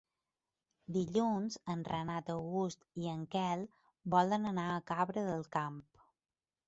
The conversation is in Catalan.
Dilluns en Renat August i en Quel volen anar a Cabra del Camp.